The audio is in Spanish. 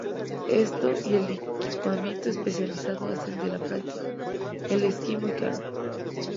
Esto y el equipamiento especializado hacen de la práctica del esquí muy caro.